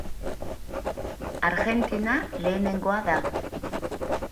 Argentina lehenengoa da.